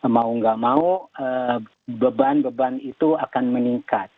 mau nggak mau beban beban itu akan meningkat